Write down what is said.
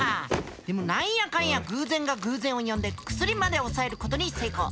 でも何やかんや偶然が偶然を呼んで薬まで押さえることに成功。